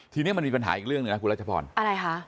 ทีนี้มันมีปัญหาอีกเรื่องหนึ่งนะคุณรัชพรอะไรคะ